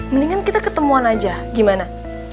mendingan kita ketemuan aja gimana